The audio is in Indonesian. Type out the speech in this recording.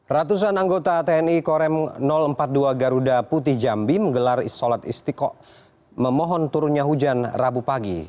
ratusan anggota tni korem empat puluh dua garuda putih jambi menggelar sholat istiqo memohon turunnya hujan rabu pagi